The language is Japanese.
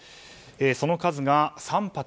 その数が３発。